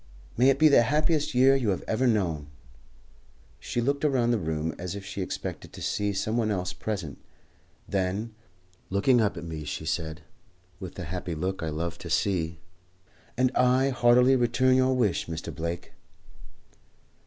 "May it be the happiest year you have ever known." She looked around the room as if she expected to see some one else present; then, looking up at me, she said, with the happy look I loved to see, "And I heartily return your wish, Mr. Blake."